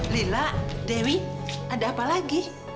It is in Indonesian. lila dewi ada apa lagi